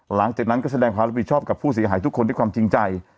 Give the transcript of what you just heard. หลังจากนั้นก็แสดงความรับผิดชอบกับผู้เสียหายทุกคนด้วยความจริงใจ